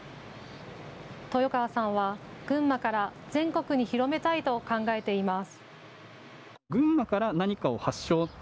豊川さんは群馬から全国に広めたいと考えています。